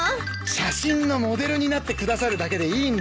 写真のモデルになってくださるだけでいいんです。